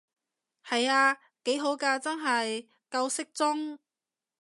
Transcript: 係啊，幾好㗎真係，夠適中